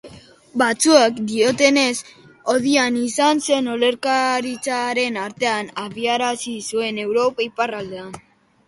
Batzuek diotenez, Odin izan zen olerkaritzaren artea abiarazi zuena Europa Iparraldean.